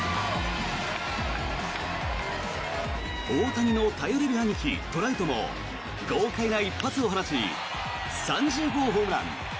大谷の頼れる兄貴、トラウトも豪快な一発を放ち３０号ホームラン。